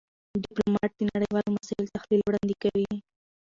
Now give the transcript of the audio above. ډيپلومات د نړېوالو مسایلو تحلیل وړاندې کوي.